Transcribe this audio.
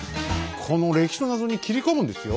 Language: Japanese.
この歴史のナゾに切り込むんですよ？